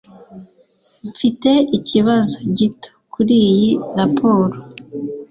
Mfite ikibazo gito kuriyi raporo.